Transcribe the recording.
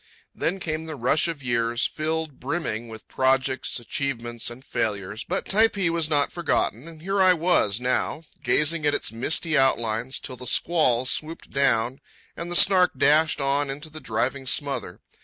Then came the rush of years, filled brimming with projects, achievements, and failures; but Typee was not forgotten, and here I was now, gazing at its misty outlines till the squall swooped down and the Snark dashed on into the driving smother.